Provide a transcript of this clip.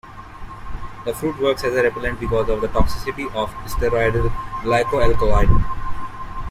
The fruit works as a repellent because of the toxicity of steroidal glycoalkaloid.